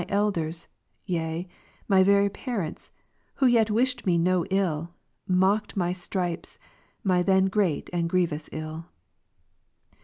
elders, yea, my very parents, who yet wished me no ill, ^' mocked my stripes, my then great and grievous ill.